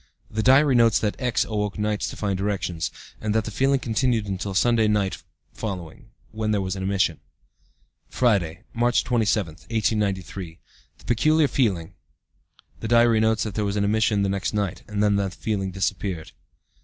(The diary notes that X. awoke nights to find erections, and that the feeling continued until Sunday night following, when there was an emission.) "Friday, March 27, 1893. The peculiar feeling. (The diary notes that there was an emission the next night, and that the feeling disappeared.)